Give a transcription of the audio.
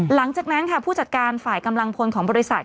หลังจากนั้นค่ะผู้จัดการฝ่ายกำลังพลของบริษัท